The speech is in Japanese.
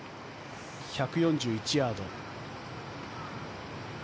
１４１ヤード。